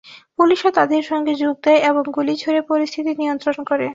পুলিশও তাঁদের সঙ্গে যোগ দেয় এবং গুলি ছুড়ে পরিস্থিতি নিয়ন্ত্রণ করে।